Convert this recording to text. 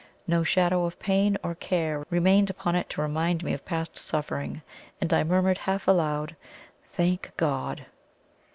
No shadow of pain or care remained upon it to remind me of past suffering, and I murmured half aloud: "Thank God!"